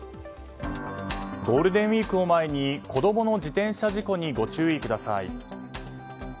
ゴールデンウィークを前に子供の自転車事故にご注意ください。